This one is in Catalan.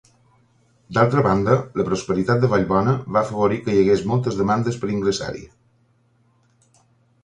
D'altra banda, la prosperitat de Vallbona va afavorir que hi hagués moltes demandes per ingressar-hi.